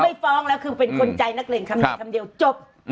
ไม่ฟ้องแล้วคือเป็นคนใจนักเลงคำนี้คำเดียวจบ